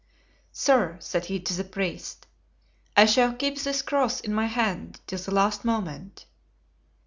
"Sir," said he to the priest, "I shall keep this cross in my hand till the last moment.